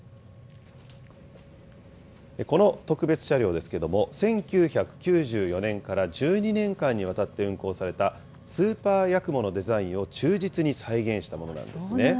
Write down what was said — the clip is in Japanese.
この特別車両ですけれども、１９９４年から１２年間にわたって運行されたスーパーやくものデザインを忠実に再現したものなんですね。